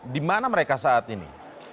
di mana mereka saat ini